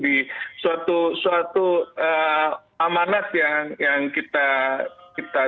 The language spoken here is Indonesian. di suatu amanat yang kita